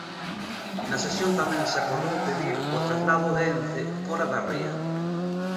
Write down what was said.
Na sesión tamén se acordou pedir o traslado de Ence fóra da ría.